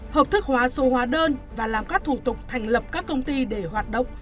hợp thức hóa số hóa đơn và làm các thủ tục thành lập các công ty để hoạt động